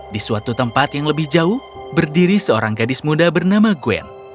di suatu tempat yang lebih jauh berdiri seorang gadis muda bernama gwen